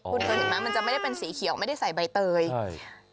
คุณเคยเห็นไหมมันจะไม่ได้เป็นสีเขียวไม่ได้ใส่ใบเตยใช่